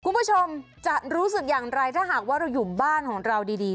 คุณผู้ชมจะรู้สึกอย่างไรถ้าหากว่าเราอยู่บ้านของเราดี